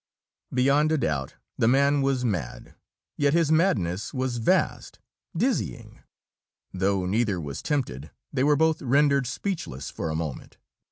Beyond a doubt, the man was mad; yet his madness was vast, dizzying. Though neither was tempted, they were both rendered speechless for a moment.